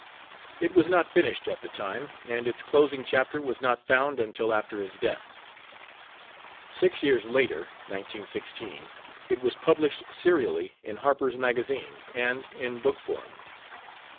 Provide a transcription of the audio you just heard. It was not finished at the time, and its closing chapter was not found until after his death. Six years later (1916) it was published serially in Harper's Magazine, and in book form.